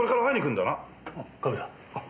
カメさん。